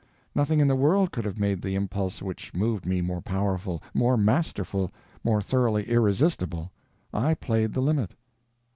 Nothing in the world could have made the impulse which moved me more powerful, more masterful, more thoroughly irresistible. I played the limit!